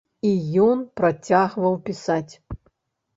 І ён працягваў пісаць.